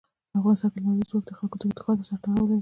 په افغانستان کې لمریز ځواک د خلکو د اعتقاداتو سره تړاو لري.